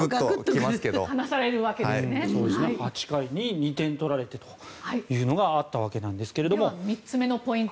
８回に２点取られてというのがあったわけですがでは３つ目のポイント。